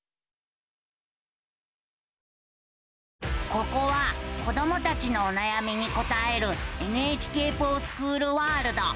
ここは子どもたちのおなやみに答える「ＮＨＫｆｏｒＳｃｈｏｏｌワールド」。